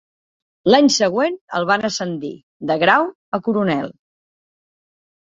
L'any següent el van ascendir de grau a coronel.